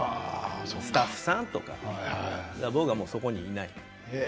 スタッフさんとか僕はそこにもういない。